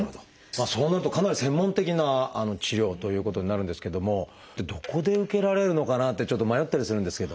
そうなるとかなり専門的な治療ということになるんですけどもどこで受けられるのかなってちょっと迷ったりするんですけど。